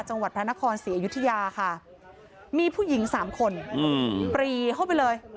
จังหวัดพระนครศรีอยุธยาค่ะมีผู้หญิงสามคนอืมปรีเข้าไปเลย